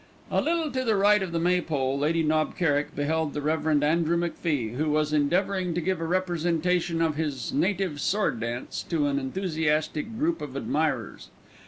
A little to the right of the maypole Lady Knob Kerrick beheld the Rev. Andrew McFie, who was endeavouring to give a representation of his native sword dance to an enthusiastic group of admirers.